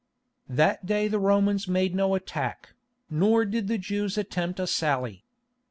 That day the Romans made no attack, nor did the Jews attempt a sally.